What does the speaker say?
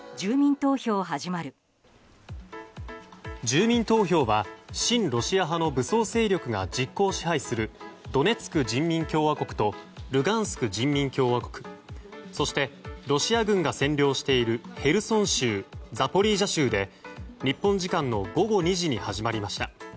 住民投票は親ロシア派の武装勢力が実効支配するドネツク人民共和国とルガンスク人民共和国そしてロシア軍が占領しているヘルソン州、ザポリージャ州で日本時間の午後２時に始まりました。